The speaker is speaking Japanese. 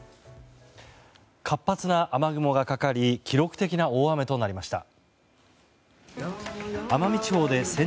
活発な雨雲がかかり記録的な大雨となりました。